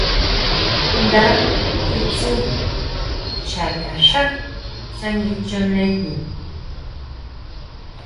Nda kitsú nchá kaxhan tsánguichonejin.